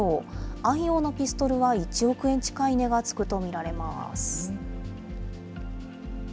愛用のピストルは１億円近い値がつくと見られます。